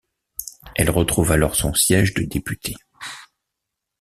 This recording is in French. Elle retrouve alors son siège de députée.